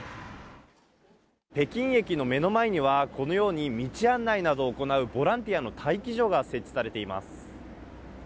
北京駅の目の前には、このように道案内などを行うボランティアの待機所が設置されています。